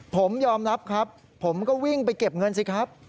ผมยอมรับครับผมก็วิ่งไปเก็บเงินสิครับ